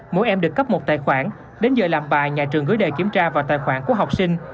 mỗi em được cấp một tài khoản đến giờ làm bài nhà trường gửi đề kiểm tra vào tài khoản của học sinh